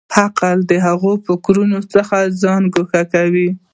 عقل د هغو فکرونو څخه ځان ګوښه کوي.